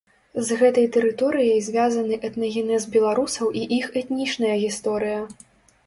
З гэтай тэрыторыяй звязаны этнагенез беларусаў і іх этнічная гісторыя.